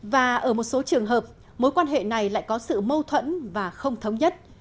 và ở một số trường hợp mối quan hệ này lại có sự mâu thuẫn và không thống nhất